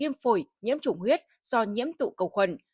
yêm phổi nhiễm trùng huyết do nhiễm tụ cầu khuẩn